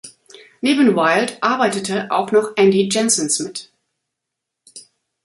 Neben Wilde arbeitete auch noch Andy Janssens mit.